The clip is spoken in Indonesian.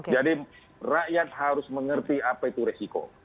jadi rakyat harus mengerti apa itu resiko